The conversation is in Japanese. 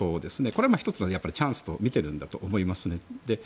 これは１つのチャンスとみているんだと思います。